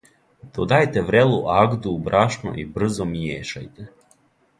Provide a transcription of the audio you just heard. Додајте врелу агду у брашно и брзо мијешајте.